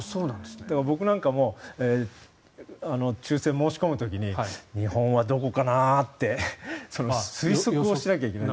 僕なんかも抽選に申し込む時に日本はどこかなって推測をしなきゃいけない。